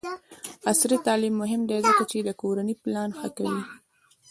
عصري تعلیم مهم دی ځکه چې د کورنۍ پلان ښه کوي.